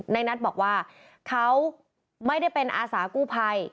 นัทบอกว่าเขาไม่ได้เป็นอาสากู้ภัย